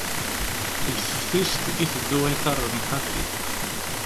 Deg teftist, iteddu iḍarren ḥafi.